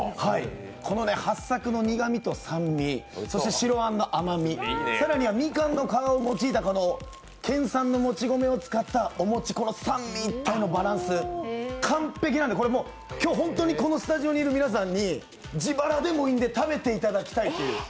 このはっさくの苦みと酸味そして白あんの甘み、更にはみかんの皮を用いた県産のもち米を用いたお餅、この三位一体のバランス、完璧なので、今日、このスタジオにいる皆さんに自腹でもいいので食べていただきたいという。